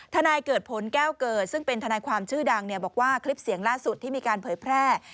นายเกิดผลแก้วเกิดซึ่งเป็นทนายความชื่อดังบอกว่าคลิปเสียงล่าสุดที่มีการเผยแพร่